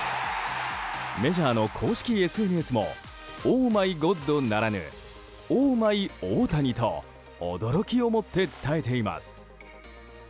メジャーの公式ＳＮＳもオーマイゴッドならぬ「ＯＨＭＹＯＨＴＡＮＩ」と驚きを持って伝えています。